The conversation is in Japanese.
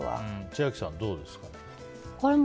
千秋さん、どうですか？